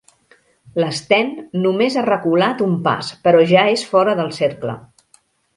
L'Sten només ha reculat un pas, però ja és fora del cercle.